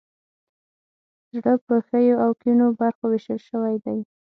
زړه په ښیو او کیڼو برخو ویشل شوی دی.